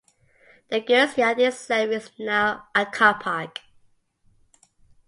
The goods yard itself is now a car park.